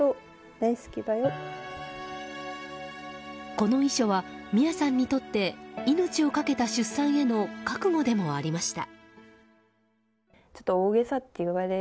この遺書は美弥さんにとって命を懸けた出産への覚悟でもありました。